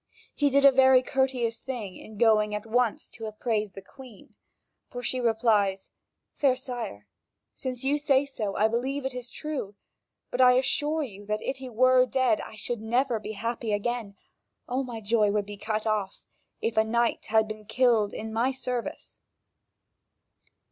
He did a very courteous thing in going at once to appraise the Queen. And she replies: "Fair sire, since you say so, I believe it is true, but I assure you that, if he were dead, I should never be happy again. All my joy would be cut off, if a knight had been killed in my service."